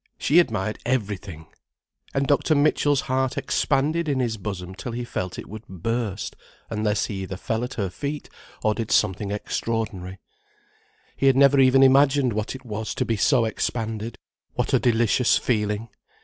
She admired everything! And Dr. Mitchell's heart expanded in his bosom till he felt it would burst, unless he either fell at her feet or did something extraordinary. He had never even imagined what it was to be so expanded: what a delicious feeling.